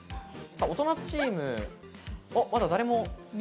大人チーム、まだ誰も。